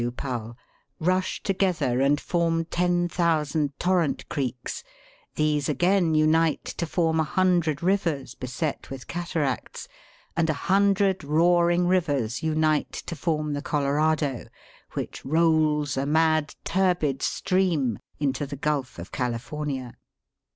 W. Powell, " rush together and form ten thousand torrent creeks ; these again unite to form a hundred rivers beset with cataracts, and a hundred roaring rivers unite to form the Colorado, which rolls, a mad, turbid stream, into the Gulf of California."